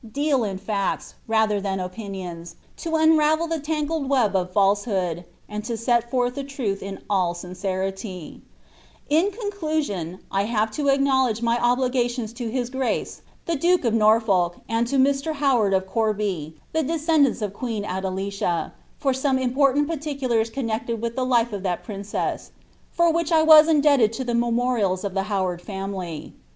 deal in facts ratlier tlian opinions, in unruvel Ihe tangled web ol" felsehfjod, and tn set forth the truth in alt sincerity, In conclusion, I have to acknowledge my obligations to iits Efrace Ihe duke of Norfolk, and to Mr. Howard of Uorby, the descendsnis of queen Adelicio, for some important parliculars connected with the nfe of that princess, for which I was indebted to Ihe ■• Memorials ol the Hownrd Pamily."